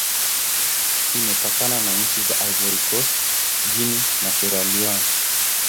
Imepakana na nchi za Ivory Coast, Guinea, na Sierra Leone.